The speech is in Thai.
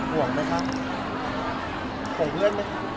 ห่วงไหมคะห่วงเพื่อนไหมคะ